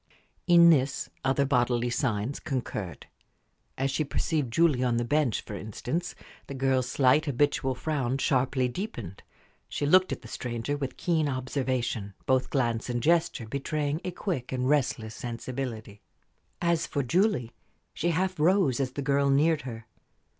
In this, other bodily signs concurred. As she perceived Julie on the bench, for instance, the girl's slight, habitual frown sharply deepened; she looked at the stranger with keen observation, both glance and gesture betraying a quick and restless sensibility. As for Julie, she half rose as the girl neared her.